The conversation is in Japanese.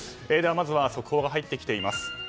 まずは、速報が入ってきています。